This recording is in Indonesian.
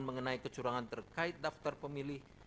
mengenai kecurangan terkait daftar pemilih